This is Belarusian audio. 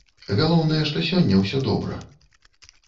Галоўнае, што сёння ўсё добра.